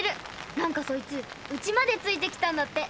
なんかそいつうちまでついて来たんだって。